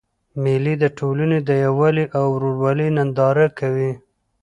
مېلې د ټولني د یووالي او ورورولۍ ننداره کوي.